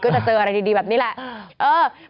จะเจออะไรดีแบบนี้แหละ